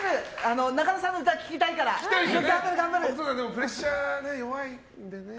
プレッシャーに弱いんでね。